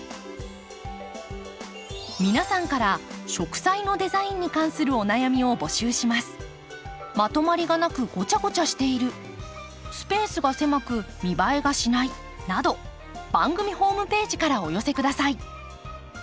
皆さんから植栽のデザインに関するお悩みを募集します。など番組ホームページからお寄せください。